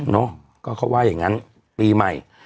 เนาะก็เขาว่าอย่างนั้นปีใหม่